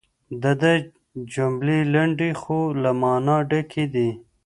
د ده جملې لنډې خو له مانا ډکې دي.